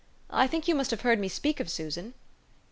"I think you must have heard me speak of Susan?"